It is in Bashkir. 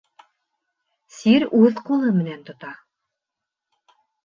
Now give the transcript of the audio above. Сир үҙ ҡулы менән тота.